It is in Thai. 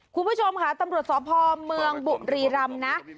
คุณผู้ชมค่ะตำรวจสพเมืองบุรีรำนะ